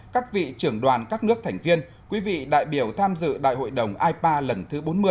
các vị trưởng đoàn các nước thành viên quý vị đại biểu tham dự đại hội đồng ipa lần thứ bốn mươi